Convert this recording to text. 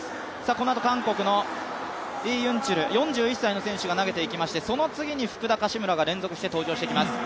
このあと韓国のイ・ユンチョル、４１歳の選手が投げていきましてその次に福田、柏村が連続して登場してきます。